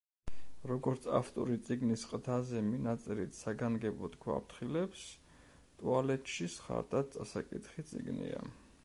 როგორც ავტორი წიგნის ყდაზე მინაწერით საგანგებოდ გვაფრთხილებს, ტუალეტში სხარტად წასაკითხი წიგნია.